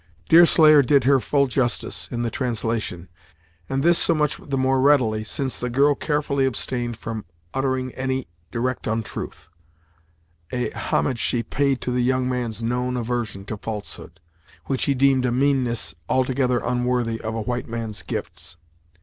Deerslayer did her full justice in the translation, and this so much the more readily, since the girl carefully abstained from uttering any direct untruth; a homage she paid to the young man's known aversion to falsehood, which he deemed a meanness altogether unworthy of a white man's gifts.